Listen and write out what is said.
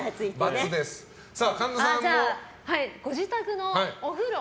ご自宅のお風呂